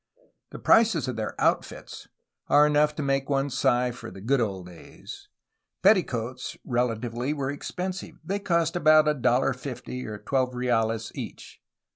The prices of their outfit are enough to make one sigh for '^the good old days." Petticoats, relatively, were expensive; they cost about $1.50 (12 reales)^ each.